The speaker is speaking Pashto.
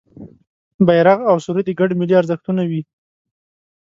بېرغ او سرود یې ګډ ملي ارزښتونه وي.